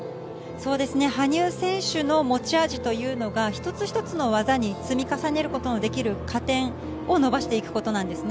羽生選手の持ち味というのが、一つ一つの技に積み重ねることのできる加点を伸ばしていくこと。